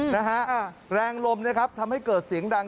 นะฮะแรงลมทำให้เกิดเสียงดัง